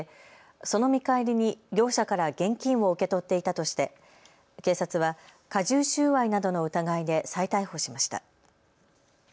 その見返りに業者から現金を受け取っていたとして警察は加重収賄などの疑いで再逮捕しました。